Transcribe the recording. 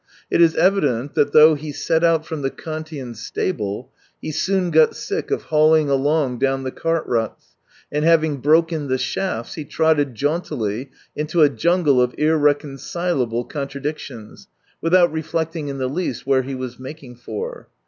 It is evident that, though he set out from the Kantian stable, he soon got sick of hauling along down the cart ruts, and having broken the shafts, he trotted jauntily into a jungle of irreconcilable contradictions, without reflecting in the least where he was making for.